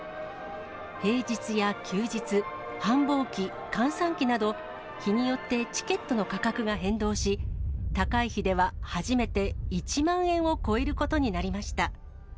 平日や休日、繁忙期、閑散期など、日によってチケットの価格が変動し、高い日では初めて１万円を超えることになりました。